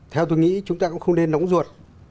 theo tôi nghĩ chúng ta cũng không nên nóng ruột